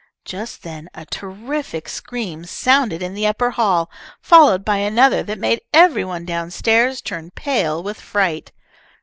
Just then a terrific scream sounded in the upper hall, followed by another that made every one down stairs turn pale with fright.